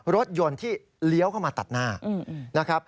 รถยนต์ที่เลี้ยวเข้ามาตัดหน้า